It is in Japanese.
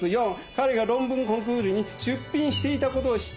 彼が論文コンクールに出品していたことを知っていた人物。